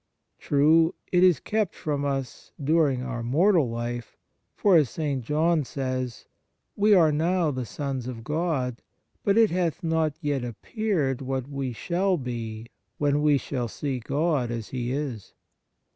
True, it is kept from us during our mortal life; for, as St. John says: "We are now the sons of God, but it hath not yet 16 ON THE NATURE OF GRACE appeared what we shall be when we shall see God as He is."